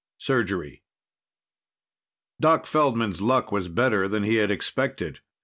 V Surgery Doc Feldman's luck was better than he had expected.